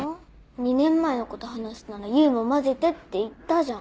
２年前のこと話すなら唯も交ぜてって言ったじゃん。